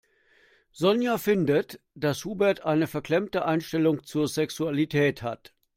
Sonja findet, dass Hubert eine verklemmte Einstellung zur Sexualität hat.